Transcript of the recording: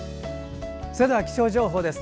それでは、気象情報です。